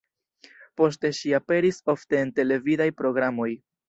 Poste ŝi aperis ofte en televidaj programoj.